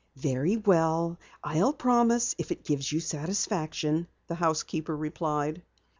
"Very well, I'll promise if it gives you satisfaction," the housekeeper replied.